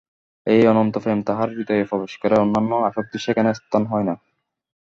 এই অনন্ত প্রেম তাঁহার হৃদয়ে প্রবেশ করে, অন্যান্য আসক্তির সেখানে স্থান হয় না।